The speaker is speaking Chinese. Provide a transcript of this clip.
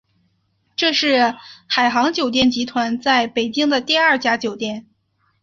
这是海航酒店集团在北京的第二家酒店。